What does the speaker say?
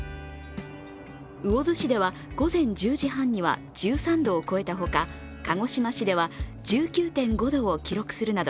魚津市では午前１０時半には１３度を超えたほか鹿児島市では１９．５度を記録するなど